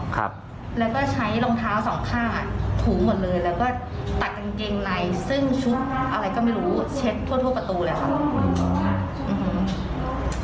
คือใช้รองเท้า๒ข้าเช็ดประตูแล้วก็มาวัน๓ว